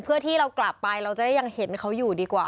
เพื่อที่เรากลับไปเราจะได้ยังเห็นเขาอยู่ดีกว่า